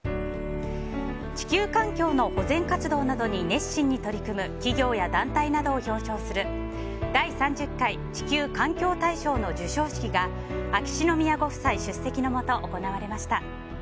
地球環境の保全活動などに熱心に取り組む企業や団体などを表彰する第３０回地球環境大賞の授賞式が秋篠宮ご夫妻出席のもと行われました。